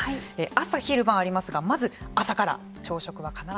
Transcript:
朝昼晩ありますがまず朝から。